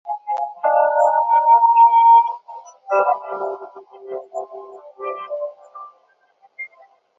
其中香港电话有限公司的业务及资产注入香港电讯有限公司。